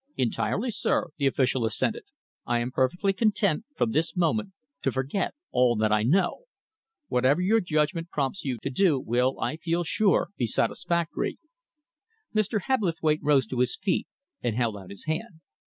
"Entirely, sir," the official assented. "I am perfectly content, from this moment, to forget all that I know. Whatever your judgment prompts you to do, will, I feel sure, be satisfactory." Mr. Hebblethwaite rose to his feet and held out his hand.